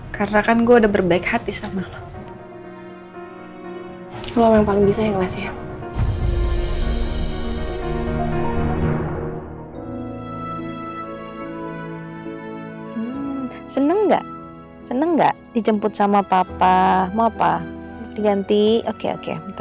karena kan gue udah berbaik hati sama lo